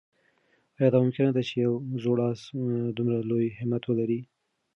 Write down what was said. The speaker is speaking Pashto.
آیا دا ممکنه ده چې یو زوړ آس دومره لوی همت ولري؟